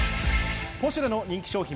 ポシュレの人気商品。